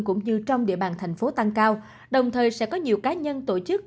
cũng như trong địa bàn thành phố tăng cao đồng thời sẽ có nhiều cá nhân tổ chức